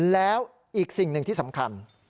แล้วอีกสิ่งหนึ่งที่สำคัญ